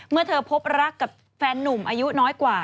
เมื่อเธอพบรักกับแฟนนุ่มอายุน้อยกว่า